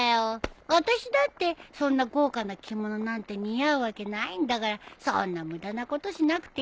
あたしだってそんな豪華な着物なんて似合うわけないんだからそんな無駄なことしなくていいよ。